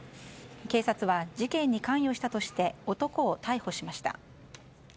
警察は事件に関与したとして男を逮捕しました。